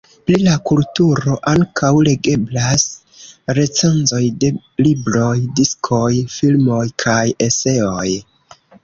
Pri la kulturo ankaŭ legeblas recenzoj de libroj, diskoj, filmoj, kaj eseoj.